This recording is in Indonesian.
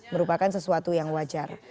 merupakan sesuatu yang wajar